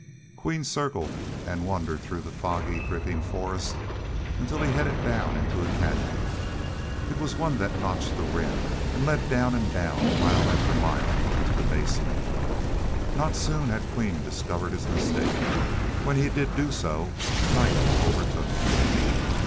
Queen circled and wandered through the foggy, dripping forest until he headed down into a canyon. It was one that notched the Rim and led down and down, mile after mile into the Basin. Not soon had Queen discovered his mistake. When he did do so, night overtook him.